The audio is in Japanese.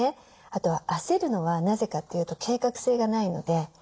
あとは焦るのはなぜかというと計画性がないので。